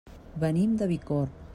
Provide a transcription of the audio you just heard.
Venim de Bicorb.